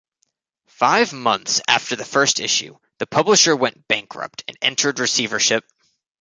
Five months after the first issue, the publisher went bankrupt and entered receivership.